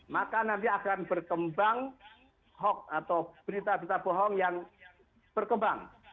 maka nanti akan berkembang hoax atau berita berita bohong yang berkembang